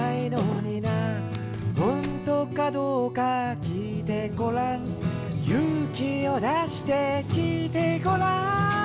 「ほんとかどうか聞いてごらん」「勇気を出して聞いてごらん」